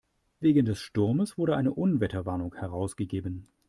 Wegen des Sturmes wurde eine Unwetterwarnung herausgegeben.